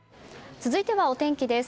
続いては、お天気です。